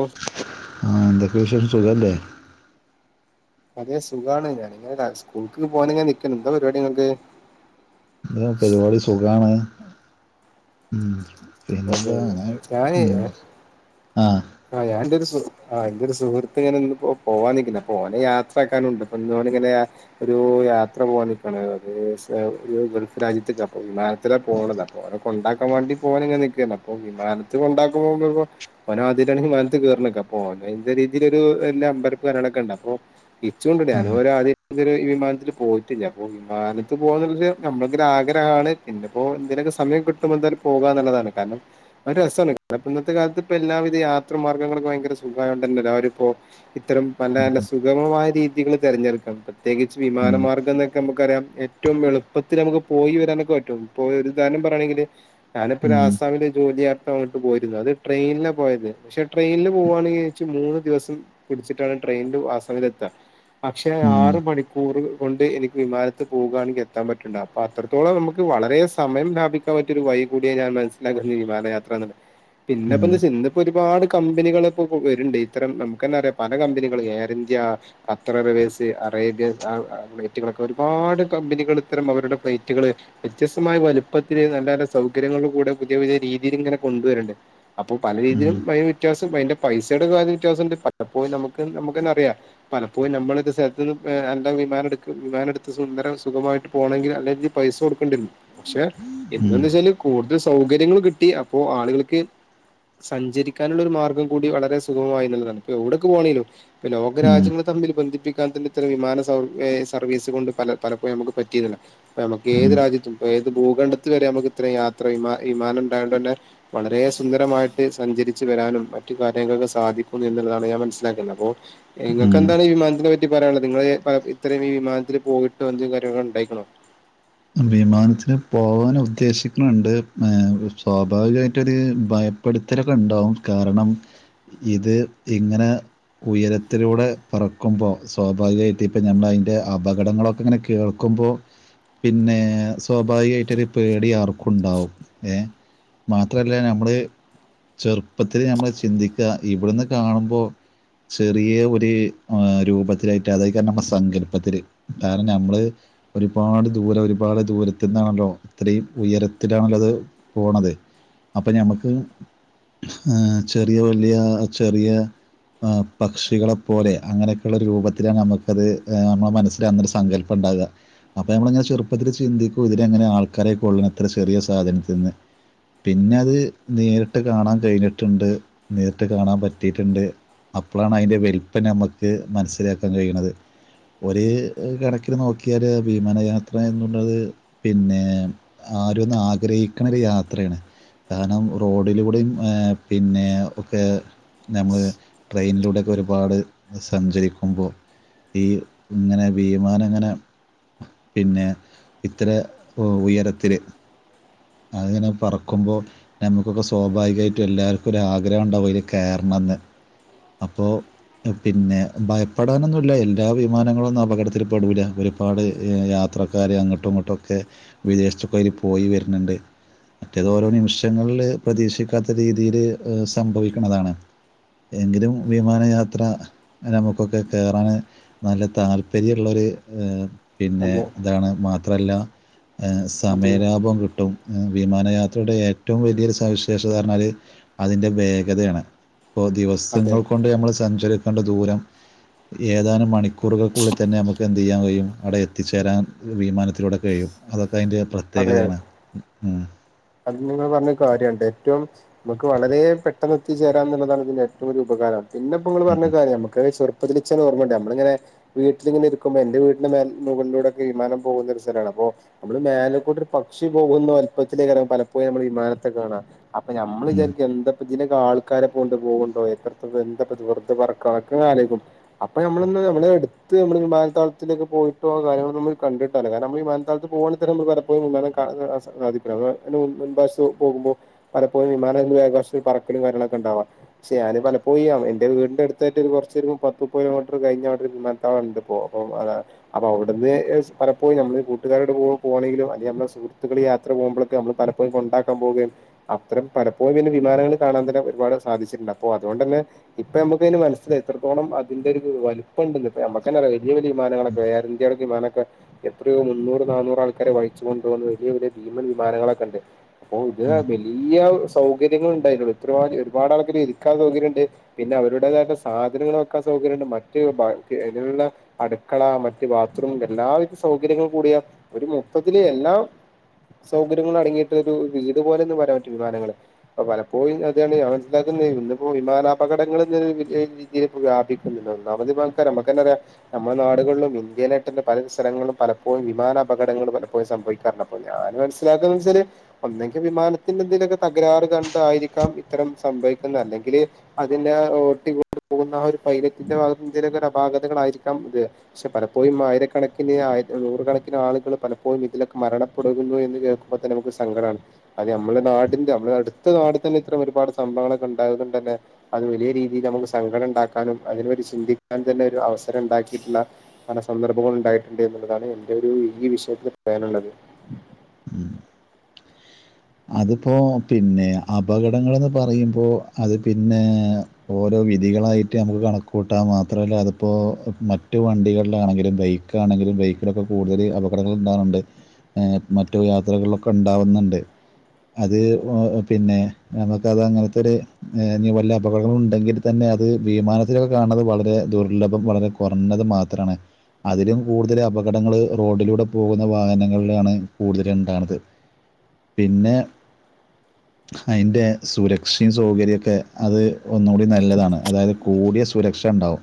Of ആഹ് എന്തൊക്കെയാ വിശേഷം സുഖല്ലേ? അതെ സുഖാണ് ഞാനിങ്ങനെ [unintelligible] സ്കൂൾക്ക് പോവാനിങ്ങനെ നിക്കാണ് എന്താ പരിപാടി ഇങ്ങക്ക്? എന്താ പരിപാടി സുഖാണ് ഉം അതെ പിന്നെന്താ അങ്ങനെ ഞാന് ഉം ആഹ് ആഹ് ഞാൻ ഇന്റെ ഒരു സുഹ് എന്റെ ഒരു സുഹൃത്ത് ഇങ്ങനെ ഇ പോവാൻ നിക്ക്ന്നാ അപ്പം ഓനെ യാത്ര ആക്കാനുണ്ട് ഇപ്പൊ ഇന്ന് ഇവിടെ ഇങ്ങനെ ഒരു യാത്ര പോവാൻ നിക്കാണ് അത് സ് ഒരു ഗൾഫ് രാജ്യത്തേക്ക് അപ്പം [unintelligible] ത്തിലാ പോണത് അപ്പോ ഓനെ കൊണ്ടാക്കാൻ വേണ്ടി പോവാനിങ്ങനെ നിക്കാണ് അപ്പ വിമാനത്ത് കൊണ്ടാക്കുമ്പോ [unintelligible] ഓനാദ് [unintelligible] വിമാനത്ത് കേറണെ അപ്പൊ ഓന് അയിൻ്റെ രീതിയിലൊരു പിന്നെ അമ്പരപ്പ് കാര്യങ്ങളെക്കെണ്ട് അപ്പോ ഇച്ചുണ്ട് ഞാനു ഉം ഒരാദ്യാ ഇതുവരെ വിമാനത്തില് പോയിട്ടില്ല അപ്പൊ വിമാനത്തി പോകന്നുള്ള നമ്മളൊ ഒരു ആഗ്രഹാണ്. പിന്നെപ്പോ ഇതിനൊക്കെ സമയം കിട്ടുമ്പോ എന്തായാലും പോകാന്ന്ള്ളതാണ് കാരണം ഒരു രസാണ് [unintelligible] ഇന്നത്തെ കാലത്ത് ഇപ്പൊ എല്ലാവിധ യാത്ര മാർഗങ്ങൾക്ക് ഭയങ്കര സുഖായോണ്ടെന്നേ എല്ലാരുപ്പോ ഇത്തരം പല പല സു സുഗമമായ രീതികൾ തിരഞ്ഞെടുക്കണം പ്രത്യേകിച്ച് ഉം വിമാനമാർഗം എന്നൊക്കെ നമുക്കറിയാം എ ഏറ്റവും എളുപ്പത്തിൽ നമുക്ക് പോയി വരാനൊക്കെ പറ്റും ഇപ്പൊ ഒരു ഉദാഹരണം പറയയാണെങ്കില് ഞാനിപ്പോ ഉം ആസാമില് ജോലിയാട്ട് അങ്ങോട്ട് പോയിരുന്നു അത് ട്രെയിനിലാ പോയത് പക്ഷെ ട്രെയിനിൽ പോവാണെ ഇൻച്ച് മൂന്ന് ദിവസം പുടിച്ചിട്ടാണ് ട്രെയിനില് ആസ്സാമില് എത്താ പക്ഷേ ഉം ഉം ആറ് മണിക്കൂർ കൂറ് കൊണ്ട് എനിക്ക് വിമാനത്ത് പോകാണെങ്ക് എത്താൻ പറ്റണ്ട് അപ്പൊ അത്രത്തോളം നമുക്ക് വളരെ സമയം ലാഭി ക്കാൻ പറ്റിയൊരു വഴി കൂടിയാണ് ഞാൻ മനസിലാക്കുന്നു ഈ വിമാനയാത്രന്ന്ള്ളെ പിന്നെ ഉം ഇപ്പെന്താ [unintelligible] ഇപ്പൊ ഒരുപാട് കമ്പനികള് ഇപ്പോ പൊ വെര്ണ്ട് ഇത്തരം നമുക്കെന്നെറിയാ പല കമ്പനികളും Air India Qatar Airways Arabia [unintelligible] ഫ്ലൈറ്റുകളൊക്കെ ഒരുപാട് കമ്പനികൾ ഇത്തരം അവരുടെ ഫ്ലൈറ്റുകള് വ്യത്യസ്തമായ വലുപ്പത്തില് നല്ല നല്ല സൗകര്യങ്ങൾ കൂടെ പുതിയ പുതിയ രീതിയിൽ ഇങ്ങനെ കൊണ്ടുവരണ്ട് അപ്പൊ പല ഉം രീതിയിലും [unintelligible] വ്യത്യാസം അതിന്റെ പൈസേടെ കാര്യം വ്യത്യാസണ്ട് പലപ്പോഴും നമുക്ക് നമുക്കെന്നറിയാം പലപ്പോഴും നമ്മളെക്കെ സ്ഥലത്ത്ന്ന് ഏഹ് എല്ലാ വിമാന എടു വിമാന എടുത്ത് സുന്ദരം സുഖമായിട്ട് പോണെങ്കില് അല്ലെങ്കിൽ പൈസ കൊടുക്കേണ്ടി വരും പക്ഷെ ഉം എന്താന്ന് വെച്ചാല് കൂടുതൽ സൗകര്യങ്ങൾ കിട്ടി അപ്പോ ആളുകൾക്ക് സഞ്ചരിക്കാനുള്ള ഒരു മാർഗം കൂടി വളരെ സുഗമമായി എന്നുള്ളതാണ് ഇപ്പൊ എവിടക്ക് പോകാണേലും ഈ ലോകരാജ്യ തമ്മിൽ ബന്ധിപ്പിക്കാൻ തന്നെ ഇത്തരം വിമാന സവ സർവീസ് കൊണ്ട് പല പലപ്പോഴും നമുക്ക് പറ്റിരുന്നില്ല. ഇപ്പ ഞമ്മക്ക് ഉം ഉം ഏത് രാജ്യത്തും ഇപ്പ ഏത് ഭൂഖണ്ഡത്തി വരെ നമുക്ക് ഇത്രയും യാത്ര യിമാ വിമാനം ഇണ്ടായോണ്ട് തന്നെ വളരെ സുന്ദരമായിട്ട്- സഞ്ചരിച്ചു വരാനും മറ്റു കാര്യങ്ങൾക്കെ സാധിക്കുന്നു എന്നുള്ളതാണ് ഞാൻ മനസ്സിലാക്കുന്നത് അപ്പോ നിങ്ങൾക്ക്‌ ഉം എന്താണ് ഈ വിമാനതിനെ പറ്റി പറയാനുള്ളത് നിങ്ങൾക്ക്‌ എന്താണ് ഈ വിമാനത്തിനെ പറ്റി പറയാനുള്ളത് നിങ്ങള് ഈ വിമാനത്തില് പോയിട്ടോ എന്തെങ്കിലും കാര്യങ്ങൾ ഇണ്ടായിക്കണോ വിമാനത്തിന് പോകൻ ഉദ്ദേശിക്കുന്നുണ്ട് സ്വാഭാവികമായിട് ഒരു ഭയം- പഠത്തലൊക്കെ ഇണ്ടാവും കാരണം ഇത് ഇങ്ങനെ- ഉയരത്തിലൂടെ പറക്കുമ്പോൾ സ്വാഭാവികമായിട്ട് ഇപ്പോൾ നമ്മള് അതിൻ്റെ അപകടങ്ങളൊക്കെ ഇങ്ങനെ കേൾക്കുമ്പോൾ- പിന്നെ സ്വാഭാവികമായിട്ടൊരു പേടി ആർക്കുണ്ടാവും ഏ- മാത്രല്ല ഞമ്മള്- ചെറുപ്പത്തിൽ ഞമ്മള് ചിന്തിക്ക ഇവിടുന്ന് കാണുമ്പോൾ- ചെറിയ ഒരു രൂപത്തിലായിട്ട് അതായിരിക്കും ഞമ്മളെ സങ്കല്പത്തില്- കാരണം ഞമ്മള് ഒരുപാട്- ദൂരം ഒരുപാട് ദൂരത്തി നിന്നാണല്ലോ ഇത്രയും ഉയരത്തിലാണല്ലോ അത് പോണത് അപ്പൊ ഞമക്ക് ഏഹ് ചെറിയ വലിയ ചെറിയ- ആഹ് പക്ഷികളെപ്പോലെ അങ്ങനെയൊക്കെയുള്ള ഒരു രൂപത്തിലാണ് നമുക്കത് നമ്മുടെ മനസ്സിലന്നൊരു സങ്കല്പം പ്പ ണ്ടാ [unintelligible] ക അപ്പൊ നമ്മള് അങ്ങനെ - ചെറുപ്പത്തിൽ ചിന്തിക്കും ഇതിൽ ഇങ്ങനെ ആൾക്കാരെ കൊള്ളിക്കും എത്ര ചെറിയ സാധനത്തിൽ നിന്ന്- പിന്നെ അത് നേരിട്ട് കാണാൻ കഴിഞ്ഞിട്ടുണ്ട് നേരിട്ട് കാണാൻ പറ്റിയിട്ടുണ്ട്. അപ്പോഴാണ് അതിൻ്റെ വലിപ്പം ഞമക്ക് മനസ്സിലാക്കാൻ കഴിയണത് ഒര് കണക്കിന് നോക്കിയാല് വിമാനാ- എത്ര എന്നുള്ളത് പിന്നെ ആരും ഒന്ന് ആഗ്രഹിക്കണ ഒരു യാത്രയാണ് കാരണം റോഡിലൂടെയും പിന്നെ ഒക്കെ- നമ്മള് ട്രെയിനിലൂടെയൊക്കെ ഒരുപാട് സഞ്ചരിക്കുമ്പോ ഈ ഇങ്ങനെ വിമാനം ഇങ്ങനെ പിന്നെ ഇത്ര ഉയരത്തില് അത് ഇങ്ങനെ പറക്കുമ്പോൾ നമുക്കൊക്കെ സ്വാഭാവികായിട്ട് എല്ലാവർക്കും ഒരു ആഗ്രഹം ഉണ്ടാവും അതില് കേറണയെന്ന് അപ്പോ- പിന്നെ ഭയപ്പെടാനൊന്നുല്ല എല്ലാ വിമാനങ്ങളൊന്നും അപകടത്തിൽ പെടൂല ഒര്- ഒരുപാട് യാത്രക്കാര് അങ്ങോട്ടി ങ്ങോട്ടൊക്കെ വിദേശത്തൊക്കെ അയില് പോയി വരുന്നുണ്ട് മറ്റേതൊ നിമിഷങ്ങളില് പ്രതീക്ഷിക്കാത്ത രീതിയില് സംഭവിക്കുന്നതാണ് എങ്കിലും വിമാനയാത്ര- അങ്ങെനെ നമുക്കൊക്കെ കേറാന് നല്ല താല്പര്യള്ളൊരു ഏഹ് പിന്നെ അതെ ഇതാണ് മാത്രല്ല അതെ സമയലാഭം കിട്ടും വിമാനയാത്രയുടെ ഏറ്റവും വലിയൊരു സവിശേഷത എന്ന് പഞ്ഞാല് അതിന്റെ വേഗതയാണ് ഇപ്പൊ അതെ ദിവസങ്ങൾ കൊണ്ട് നമ്മള് സഞ്ചരിക്കണ്ട ദൂരം ഏതാനും മണിക്കൂറുകൾക്കുള്ളിൽ തന്നെ നമുക്ക് എന്ത് ചെയ്യാൻ കഴിയും അവിടെ എത്തിച്ചേരാൻ വിമാനത്തിലൂടെ കഴിയും അതൊക്കെ അതിൻ്റെ അതെ പ്രത്യേകതയാണ് അത് നിങ്ങളാ പറഞ്ഞെ കാര്യണ്ട് ഏറ്റവും- നമുക്ക് വളരെ പെട്ടെന്ന് എത്തിച്ചേരാ എന്നുള്ളതാണ് ഇതിന്റെ ഏറ്റവും വലിയ ഉപകാരം പിന്നെ ഇപ്പൊ നിങ്ങള് പറഞ്ഞ ഉം കാര്യം നമ്മക്ക്‌ ചെ വിളിച്ചത് ഓർമ്മയുണ്ട് നമ്മളിങ്ങനെ- വീട്ടിലിങ്ങനെ ഇരിക്കുമ്പോൾ എന്റെ വീട്ടന്റെ മേൽ മുകളിലൂടൊക്കെ വിമാനം പോകുന്ന ഒരു സ്ഥലമാണ് അപ്പൊ- നമ്മള് മേലെക്കൂടൊരു പക്ഷി പോകുന്ന വലിപ്പത്ത - ലെയ് [unintelligible] കാരം പലപ്പോഴും നമ്മള് വിമാനത്തെ കാണാ അപ്പൊ ഞമ്മള് ഉം വിചാരിക്കും എന്താ - ഇതിനൊക്കെ ആൾക്കാരെ കൊണ്ട് പോവുമ്പേ പെട്ടന്ന് എന്താ ഇപ്പ വെറുത പറക്കക്കെണെന്ന് ഞാൻ ആലോചിക്കും അപ്പൊ നമ്മലിന്ന് എടുത്ത് മ്മള് വിമാനത്താവളത്തിലൊക്കെ പോയിട്ടോ കാര്യങ്ങള് നമ്മള് കണ്ടിട്ട്- രണം നമ്മൾ വിമാനതാവളത്തിൽ പോവണിതരം ഇടക്കൊ വിമാനകാണാൻ സാധി [unintelligible] പോകുമ്പോൾ പലപ്പോഴും വിമാനാകാശ പറക്കലും കാര്യങ്ങളൊക്കെ ഉണ്ടാവാം ഞാന് പലപ്പോയാണ് എന്റെ വീടിന്റെ അടുത്തായിട്ട് ഒരു കൊറച്ചൊരു പത്തുംപത് കിലോമീറ്ററ് കയിഞ്ഞ ആ ണ്ട് പോം പോം അത അപ്പൊ അവിടുന്ന് യെസ് പലപ്പോ നമ്മള് കൂട്ടുകാരോട് പോണെങ്കിലോ അല്ലെ മ്മള സുഹൃത്തുക്കള് യാ ക്കള് പോമ്പളൊക്കെ മ്മള് പലപ്പോഴും കൊണ്ടാക്കൻ പോകാണ് അത്തരം പലപ്പോഴും പിന്നെ വിമാനങ്ങൾ കാണാൻ തന്നെ ഒരുപാട് സാധിച്ചിണ്ട് അപ്പോ അതോണ്ടന്നെ ഇപ്പൊ മ്മക്കന്നെ മനസ്സിലായി എത്രത്തോളം അതിന്റെ ഒരു വലിപ്പണ്ട് നമ്മക്കന്നെ അ വലിയ വലിയ ഉം വിമാനങ്ങളൊക്കെ എയർ ഇന്ത്യുടെ വിമാനമൊക്കെ എത്രയോ മുന്നൂറ് നന്നൂറ് ആൾക്കാര വഹിച്ചു കൊണ്ടപോകുന്ന് വെല്യ വെല്യ ഭീമൻ വിമാനങ്ങളൊക്കണ്ട് ഉം [unintelligible] ഈയ സൗകര്യങ്ങളുണ്ടായിന്റു ള്ളിൽ ഇത്രമാ ഒരുപാട് ആൾക്കാരിക്കാ സൗകര്യം ഉണ്ട് പിന്നെ അവരുടേതാക്കെ സാധനങ്ങൾ വെക്കാൻ സൗകര്യണ്ട് മറ്റ് ഭാതിനുള്ള അടുക്കള മറ്റ് ബാത്റൂം എല്ലാവിധ സൗകര്യങ്ങൾ കൂടിയ ഒരു മൊത്തത്തില് എല്ലാം സൗകര്യങ്ങൾ അടങ്ങിയിട്ടൊരു വീടു പോലെന്ന്പറയാൻ പറ്റും വിമാനങ്ങള് അപ്പൊ പലപ്പോയും അതെന്നെ ഞാ മനസ്സിലാക്കുന്നെ ഇന്ന്പ്പോ വിമാനാപകടങ്ങളൾ [unintelligible] ഇതിലിപ്പോ വ്യാപിക്കുന്നില്ല ഒന്നാമതാ ൾക്കാര മക്കന്നറിയ നമ്മളാ നാടുകൾ ളും ഇന്ത്യയിലായിട്ട ന്നെ പല സ്ഥലങ്ങളും പലപ്പോഴും വിമാന അപകടങ്ങളും പലപ്പോഴും സംഭവിക്കാറുണ്ടെ പ്പോഴും ഞാൻ മനസ്സിലാക്കുന്ന വെച്ചാല് ഒന്നെങ്കിൽ വിമാനത്തിന്റെ എന്തേലൊ ക്കെ തകരാറ് കണ്ടായിരിക്കാം ഇത്തരം സംഭവിക്കുന്ന അല്ലെങ്കില് അതിന്റെ ഓട്ടി കൊണ്ട്പോകുന്ന ഒരു പൈലറ്റിന്റെ ഭാഗത്തെന്തേലൊക്കെ അപാകതകളായിരിക്കാം ഇത് പക്ഷെ പലപ്പോഴും ആയിരക്കണക്കിന് നൂറുകണക്കിന് ആളുകൾ പലപ്പോഴും ഇതിലൊക്കെ മരണം തുടങ്ങുന്നു എന്ന് കേൾക്കുമ്പ തന്നെ നമുക്ക് സങ്കടാണ് അത് നമ്മള നാടിന്റെ നമ്മുടെ അടുത്ത നാട്തന്നെ ഇത്രം ഒരുപാട് സംഭവങ്ങളൊക്കെ ഉണ്ടായത് കൊണ്ട് തന്നെ അത് വലിയ രീതിയിൽ നമുക്ക് സങ്കട ണ്ടാക്കാനും അതിന പറ്റി ചിന്തിക്കാൻ തന്നെ ഒരു അവസരം ഉണ്ടാക്കിയിട്ടുള്ള പല സന്ദർഭങ്ങളും ഉണ്ടായിട്ടുണ്ട് എന്നുള്ളതാണ് എന്റെരു ഈ വിഷയത്തിൽ പറയാനുള്ളത് [unintelligible] അതിപ്പോ പിന്നെ അപകടങ്ങൾന്ന് പറയുമ്പോ അത് പിന്നെ ഓരോ വിധികളായിട്ട് നമുക്ക് കണക്കൂട്ടാ മാത്രല്ല അതിപ്പോ മറ്റു വണ്ടികൾണെങ്കിലും ബൈക്ക് ഒക്ക ആണെങ്കില ബൈക്ക് ഇലൊക്കെ കൂടുതൽ അപകടങ്ങൾ ഉണ്ടാകുന്നുണ്ട് മറ്റു യാത്രകളിലൊക്കെ ഉണ്ടാവുന്നുണ്ട് അത് പിന്നെ നമുക്കത് അങ്ങനത്തെ ഒരു ഇനി വല്ല അപകടങ്ങള ഉണ്ടെങ്കിൽ തന്നെ അത് വിമാനത്തിലൊക്കെ കാണുന്നത് വളരെ ദുർലഭം വളരെ കൊർഞ്ഞത് മാത്രണ് അതിലും കൂടുതൽ അപകടങ്ങൾ റോഡിലൂടെ പോകുന്ന വാഹനങ്ങളിലാണ് കൂടുതല ഉണ്ടാകുന്നത് പിന്നെ അയ്ൻ്റെ സുരക്ഷയും സൗകര്യംമൊക്കെ അത് ഒന്നുകൂടി നല്ലതാണ് അതായത് കൂടിയ സുരക്ഷ ഉണ്ടാവും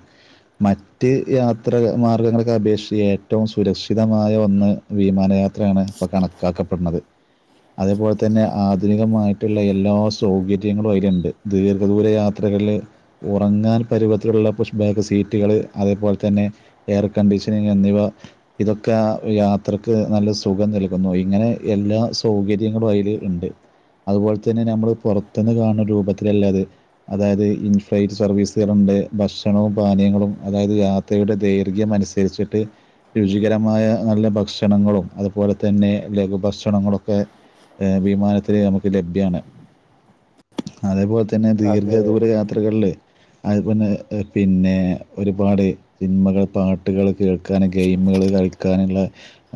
മറ്റ് യാത്ര മാർഗങ്ങൾക്കെ അപേക്ഷിച്ച് ഏറ്റവും സുരക്ഷിതമായ ഒന്ന് വിമാനയാത്രയാണ് ഇപ്പൾ കണക്ക് കാക്കപ്പെടണത് അതേപോലെ തന്നെ ആധുനികമായിട്ടുള്ള എല്ലാ സൗകര്യങ്ങളും അതിലുണ്ട് ദീർഘദൂര യാത്രകളിൽ ഉറങ്ങാൻ പരുവത്തിലുള്ള പുഷ ബാക്ക് സീറ്റുകൾ അതേപോലെ തന്നെ എയർ കണ്ടീഷനിങ് എന്നിവ ഇതൊക്കെ യാത്രക്ക് നല്ല സുഖം നൽകുന്നു ഇങ്ങനെ എല്ലാ സൗകര്യ ടെ വയ്ൽ ഉണ്ട് അതുപോലെ തന്നെ നമ്മൾ പുറത്തന്ന് കാണുന്ന രൂപത്തില്ലല്ലത് അതായത് ഇൻഫ്ലൈറ്റ് സർവീസുകളുണ്ട് ഭക്ഷണവും പാനീങ്ങളും അതായത് ത്തയുടെ ദൈർഘ്യം അനുസരിച്ചിട്ട് രുചികരമായ നല്ല ഭക്ഷണങ്ങളും അതുപോലെ തന്നെ ലഘുഭക്ഷണങ്ങളൊക്കെ ഏ വിമാനത്തി നമുക്ക് ലഭ്യമാണ് അതേപോലെ തന്നെ അതെ ദീർഘദൂര യത്രകളിൽ അതു പിന്നെ പിന്നെ ഒരുപാട് സിനിമകൾ, പാട്ടുകൾ കേൾക്കാനും ഗെയിമുകള് കളിക്കാനുള്ള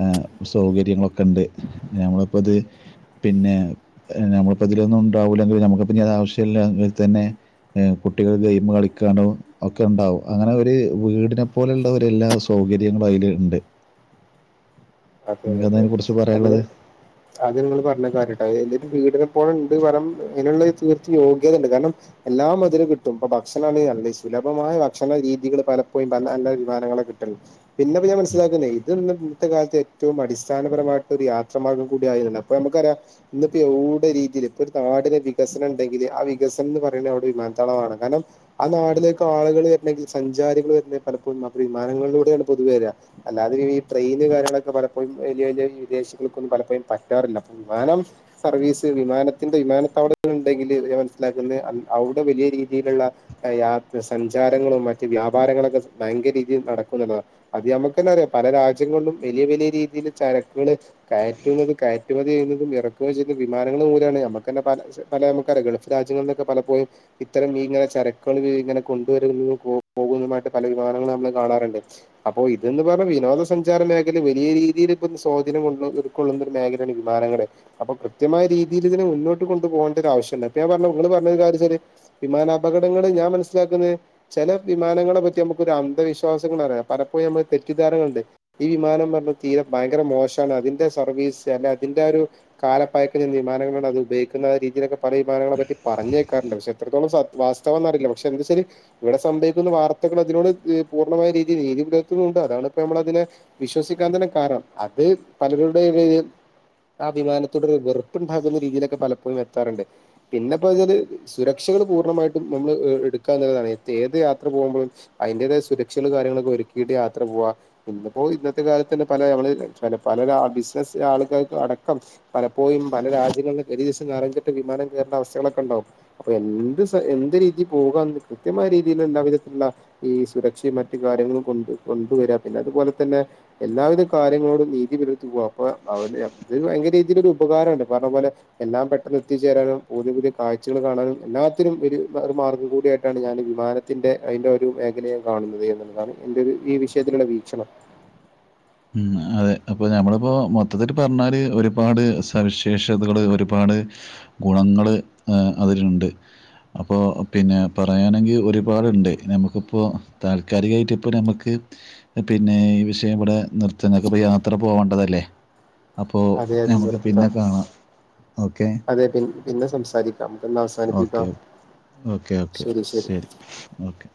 ആ സൗകര്യങ്ങളൊക്കെ ഉണ്ട് നമ്മളിപ്പോൾ അത് പിന്നെ നമ്മളിപ്പോ ഇതിലൊന്നും ഉണ്ടാവൂല്ലെങ്കിൽ നമുക്ക് പിന്നെ അത് ആവശ്യമില്ലങ്കിൽ തന്നെ ഏ കുട്ടികൾ ഗെയിം കളിക്കാനോ ഒക്കെ ഉണ്ടാവും അങ്ങനെ ഒരു വീടിനെ പോലെയുള്ള ഒരു എല്ലാ സൗകര്യങ്ങളും അയിൽ ഇണ്ട് [inaudible] അതെആതെ അതിനെക്കുറിച്ച് പറയാനുള്ളത് അതില് അത് നിങ്ങൾ പറഞ്ഞ കാര്യട്ടാ എന്റെ ഒരു വീടിനെപ്പോഴ് ഉണ്ട് വരം അങ്ങുള്ള തീർച്ച യോഗ്യത ഉണ്ട് കാരണം എല്ലാം അതില് കിട്ടും ഇപ്പ ഭക്ഷണ ആണേ നല്ലേ സുലഭമായ ഭക്ഷണ രീതികള് പലപ്പോഴും പല നല്ല വിമാനങ്ങളെ കി ട്ടല്ല് പിന്നെപിന്നെ ഞാൻ മനസ്സിലാക്കുന്നേ ഇത് ഇന്ന് ഇന്നത്തെ കാലത്ത് ഏറ്റവും അടിസ്ഥാനപരമായിട്ടൊ ഒരു യാത്ര മാർഗ്ഗം കൂട ആയിരുന്നു അപ്പൊ നമുക്കറിയാം ഇന്നപ്പോ എവിടെ രീതിയിൽ ഇപ്പൊ ഒരു നാടിന വികസനം ഉണ്ടെങ്കില് ആ വികസന എന്ന് പറയണെ അവിടെ വിമാനത്താവളമാണ് കാരണം ആ നാടിലേക്ക് ആളുകൾ വരണെങ്കിൽ സഞ്ചാരികൾ വരണെങ്കിൽ പലപ്പോഴും വിമാനങ്ങളിലൂടെയാണ് പൊതുവെ വരാ അല്ലാതെ ഈട്രെയിന് കാര്യങ്ങളൊക്കെ പല യും വലിയ വലിയ വിദേശികൾക്കൊന്നും പലപ്പോഴും പറ്റാറില്ല അപ്പം വിമാനം സർവീസ് വിമാനത്തിന്റെ വിമാനത്ത വളങ്ങൾ ഉണ്ടെങ്കിൽ ഞാൻ മനസ്സിലാക്കുന്നത് ആല് അവിടെ വലിയ രീതിയിലുള്ള യാത്ര സഞ്ചാരങ്ങളും മറ്റ് വ്യാപാരങ്ങളൊക്കെ ഭയങ്കരീതിയിൽ നടക്കു എന്നുള്ളതാണ് അത് നമക്ക് തന്നെ അറിയാം പല രാജ്യങ്ങളിലും വലിയ വലിയ രീതിയില് ചരക്കള് കയറ്റുന്നത് കയറ്റുമതി ചെയ്യതും ഇറക്കുമതി ചെയ്യുന്നത് വിമാനങ്ങൾ മൂലമാണ് നമ്മക്ക് തന്നെ പലശ പല നമുക്ക് അറിയ ഗൾഫ്‌ രാജ്യങ്ങളിലൊക്കെ പലപ്പോഴും ഇത്തരം ഈ ഇങ്ങനെ ചരക്കുകൾ ഇങ്ങനെ കൊണ്ടുവരുന്നതു കൊ പോകുന്നതുമായിട്ട് പല വിമാനങ്ങളൾ നമ്മൾ കാണാറുണ്ട് അപ്പോ ഇതന്ന് പറഞ്ഞ വിനോദസഞ്ചാര മേഖല വലിയ രീതി രീതിയിൽ ഇപ്പൊ സ്വാധനം കൊൾ ഉൾക്കൊള്ളുന്ന ഒരു മേഖലയാണ് വിമാനങ്ങടെ അപ്പൊ കൃത്യമായരിതിയിൽ ഇതിനെ മുന്നോട്ട് കൊണ്ടു പോകേണ്ട ഒരു ആവശ്യല്ല അപ്പൊ ഞാൻപറഞ്ഞ നിങ്ങള് പറഞ്ഞ ഒരു കാര്യം ശരി വിമാനാപകടങ്ങളൾ ഞാൻ മനസ്സിലാക്കുന്നെ ചില വിമാനങ്ങളെ പറ്റി നമുക്ക് ഒരു അന്ധവിശ്വാസങ്ങൾ അറിയാം പലപ്പോഴും നമ്മള് തെറ്റി ദരണകൾ ഉണ്ട് ഈ വിമാനംന്ന് പറഞ്ഞ തീരെ ഭയങ്കര മോശണ് അതിന്റെ സർവീസ് അല്ലെ അതിന്റെ ആ ഒരു കാലപ്പായക്കൽ നിന്ന് വിമാനങ്ങളാത് ഉപയോഗിക്കുന്ന രീതിയിലൊക്കെ പല വിമാനങ്ങളെ പറ്റി പറഞ്ഞു കേക്കാറുണ്ട് പക്ഷെ എത്രത്തോളം സ വാസ്തം എന്നറില്ല പക്ഷെ എന്താശരി ഇവടെ സമ്പയിക്കുന്ന വാർത്തകള് അതിനോട് ഈ പൂർണ്ണമായ രീതിയിൽ നീതി പുലർത്തുന്നുണ്ട് അതാണ് ഇപ്പ നമ്മളതിനെ വിശ്വസിക്കാൻ തന്നെ കാരണം അത് പലരുടെയും [unintelligible] ആ വിമാനത്തോട് ഒരു വെറുപ്പ്‌ണ്ടാകുന്ന രീതിയിലൊക്കെ പലപ്പോഴും എത്താറുണ്ട് പിന്നെപ്പ്ഞ്ഞാല് സുരക്ഷകള് പൂർണ്ണമായിട്ടും നമ്മള് എടുക്കാന്നുള്ളതാണ് ഏത് യാത്ര പോകുമ്പോഴും അയിന്റേതായ സുരക്ഷകള് കാര്യങ്ങളൊക്കെ ഒരുക്കിയിട്ട് യാത്ര പോവാ ഇന്നപ്പോ ഇന്നത്തെ കാല ത്തന്നെ പല ഞമ്മള് പല പലര ബിസിനസ് ആളുകൾക്ക് അടക്കം പലപ്പോഴും പല രാജ്യങ്ങളിലും ഒരുദിവസം നാണംകേട്ട് വിമാനം കേറണ്ട അവസ്ഥകളൊക്കെ ഉണ്ടാവും അപ്പോ എന്ത് സ എന്ത് രീതി പോകാന്ന് കൃത്യമായ രീതിയിൽ എല്ലാ വിധത്തിലുള്ള ഈ സുരക്ഷേ മറ്റ് കാര്യങ്ങളും കൊണ്ട് കൊണ്ടുവരാ പിന്നെ അതുപോലെ തന്നെ എല്ലാവിധ കാര്യങ്ങളോടും നീതി പുലർത്തി പോകാ അപ്പോ അവന് അത് ഭയങ്കര രീതിയിലൊരു ഉപകാരണ്ട് പറഞ്ഞപോലെ എല്ലാം പെട്ടെന്ന് എത്തിച്ചേരാനും പുതിയ പുതിയ കാഴ്ചകൾ കാണാനും എല്ലാത്തിനും ഒരു മാർഗ്ഗം കൂടിയായിട്ടാണ് ഞാൻ വിമാന ത്തിന്റെ അയിന്റോരു മേഖലയെ കാണുന്നത് എന്നുള്ളതാണ് എന്റെ ഒരു ഈ വിഷയത്തിലുള്ള വീക്ഷണം ഉം അതെ അപ്പോ ഞമ്മള്പ്പോ മൊത്തത്തില് പർഞ്ഞാല് ഒരുപാട് സവിശേഷതകള് ഒരുപാട് ഗുണങ്ങള് ആ അതില്ണ്ട്. അപ്പോ പിന്നെ പറയാണെങ്കി ഒരുപാട്ണ്ട് നമുക്ക്പ്പോ താൽക്കാലികായിട്ട് ഇപ്പോ നമ്മുക്ക് പിന്നെ ഈ വിഷയം ഇവടെ നിർത്താ ങ്ങക്ക്പ്പോ യാത്ര പോവണ്ടതല്ലേ. അപ്പോ അതെ അതെ ഞമ്മക്ക് പിന്നെ നിർത്താം കാണാം ഓക്കെ. അതെ പി പിന്നെ സംസാരിക്കാം നമുക്കെന്നാ ഓക്കെ. അവസാനിപ്പിക്കാം ഓക്കെ. ഓക്കെ. ശെരി ശെരി. ശരി. ഓക്കെ.